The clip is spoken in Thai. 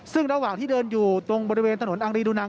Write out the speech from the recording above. ซึ่งระหว่างที่เดินอยู่ตรงบริเวณถนนอังรีดูนัง